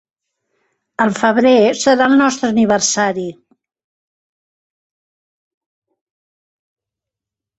Al febrer serà el nostre aniversari.